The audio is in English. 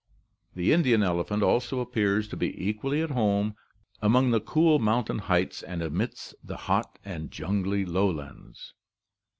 The Indian elephant also appears to be equally at home among the cool mountain heights and amidst the hot and jungly lowlands.